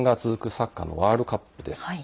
サッカーのワールドカップです。